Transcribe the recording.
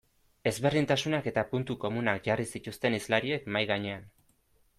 Ezberdintasunak eta puntu komunak jarri zituzten hizlariek mahai gainean.